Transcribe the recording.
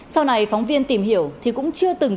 sau này phóng viên tìm hiểu thì cũng chưa từng